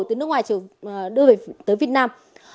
từ nước ngoài đưa về tới việt nam